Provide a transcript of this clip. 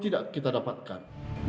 tidak kita dapatkan